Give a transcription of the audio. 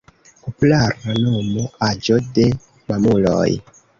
Populara nomo: Aĝo de Mamuloj.